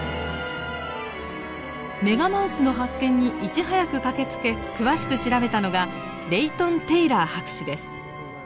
メガマウスの発見にいち早く駆けつけ詳しく調べたのがレイトン・テイラー博士です。